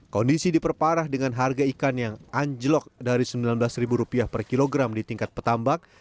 kondisi diperparah dengan harga ikan yang anjlok dari rp sembilan belas per kilogram di tingkat petambak